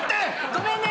ごめんね。